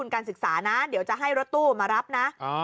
การศึกษานะเดี๋ยวจะให้รถตู้มารับนะ